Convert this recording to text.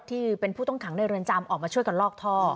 ที่เป็นผู้ต้องขังในเรือนจำออกมาช่วยกันลอกท่อ